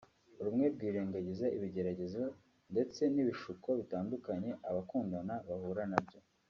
rumwe rwirengagiza ibigeragezo ndetse n’ibishuko bitandukanye abakundana bahura na byo